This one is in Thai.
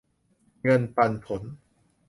เงินปันผล